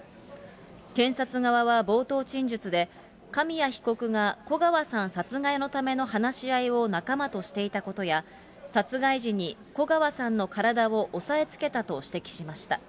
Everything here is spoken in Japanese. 検察側は冒頭陳述で、紙谷被告が古川さん殺害のための話し合いを仲間としていたことや、殺害時に古川さんの体を押さえつけたと指摘しました。